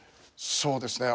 そうですね。